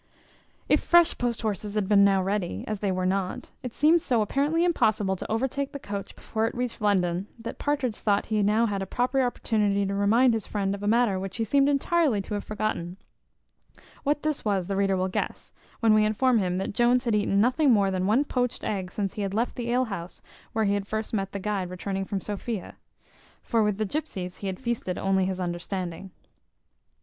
If fresh post horses had been now ready, as they were not, it seemed so apparently impossible to overtake the coach before it reached London, that Partridge thought he had now a proper opportunity to remind his friend of a matter which he seemed entirely to have forgotten; what this was the reader will guess, when we inform him that Jones had eat nothing more than one poached egg since he had left the alehouse where he had first met the guide returning from Sophia; for with the gypsies he had feasted only his understanding.